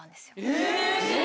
え！